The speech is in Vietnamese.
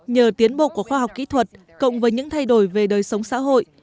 nhờ tiến bộ của khoa học kỹ thuật cộng với những thay đổi về đời sống xã hội